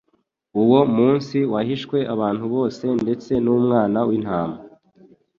uwo munsi wahishwe abantu bose ndetse numwana w'intama